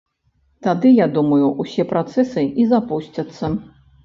Тады, я думаю, усе працэсы і запусцяцца.